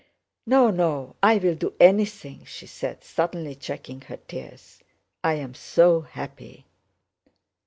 "No, no! I'll do anything!" she said, suddenly checking her tears. "I am so happy."